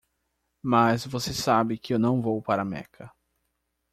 Mas você sabe que eu não vou para Meca.